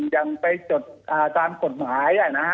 อย่างไปจดตามกฎหมาย